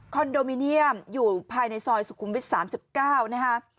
โดมิเนียมอยู่ภายในซอยสุขุมวิท๓๙นะคะ